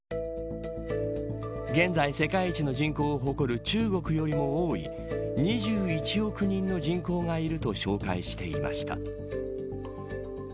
現在、世界一の人口を誇る中国よりも多い２１億人の人口がいると紹介していました。